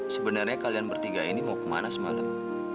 sebenarnya kalian bertiga ini mau kemana semalam